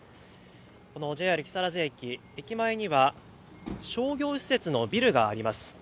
このＪＲ木更津駅、駅前には商業施設のビルがあります。